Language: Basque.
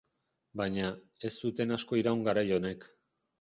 Baina, ez zuten asko iraun garai onek.